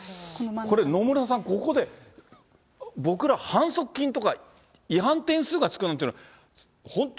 野村さん、ここで僕ら、反則金とか違反点数がつくなんていうのは、本当